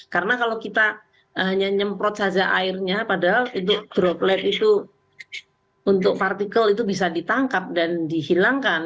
karena kalau kita hanya nyemprot saja airnya padahal droplet itu untuk partikel itu bisa ditangkap dan dihilangkan